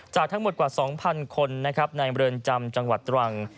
จากทั้งหมดกว่าสองพันคนนะครับในบริลจำจังหวัดตรวง